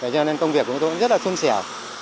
cho nên công việc của tôi cũng rất là xuân xẻo